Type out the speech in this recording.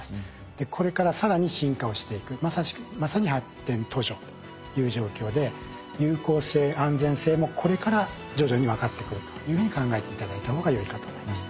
これから更に進化をしていくまさに発展途上という状況で有効性安全性もこれから徐々に分かってくるというふうに考えて頂いた方がよいかと思います。